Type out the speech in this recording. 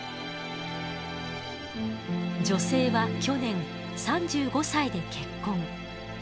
女性は去年３５歳で結婚。